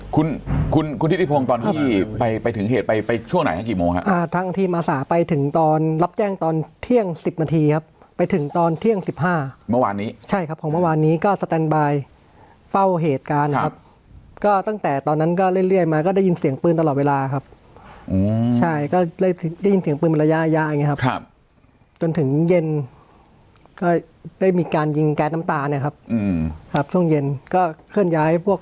คุณคุณคุณทิศทิพงตอนที่ไปไปถึงเหตุไปไปช่วงไหนกี่โมงครับทั้งที่มาสาไปถึงตอนรับแจ้งตอนเที่ยงสิบนาทีครับไปถึงตอนเที่ยงสิบห้าเมื่อวานนี้ใช่ครับของเมื่อวานนี้ก็สแตนบายเฝ้าเหตุการณ์ครับก็ตั้งแต่ตอนนั้นก็เรื่อยมาก็ได้ยินเสียงปืนตลอดเวลาครับใช่ก็ได้ยินเสียงปืนระยะอย่างนี้ครับจนถึง